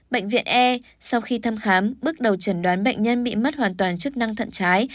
bệnh viện e sau khi thăm khám bước đầu chẩn đoán bệnh nhân bị mất hoàn toàn chức năng thận trái